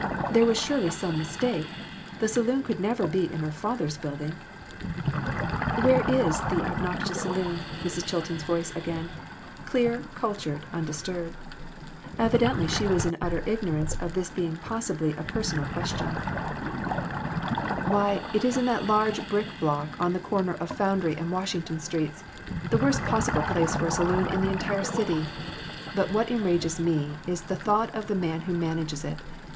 There was surely some mistake. The saloon could never be in her father's building !" Where is the obnoxious saloon ?" Mrs. Chil ton's voice again clear, cultured, undisturbed. Evidently she was in utter ignorance of this being possibly a personal question. 322 EMBARRASSING QUESTIONS. "Why, it is in that large brick block on the corner of Foundry and Washington Streets the worst possible place for a saloon in the entire city. But what enrages me, is the thought of the man who manages it.